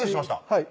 はい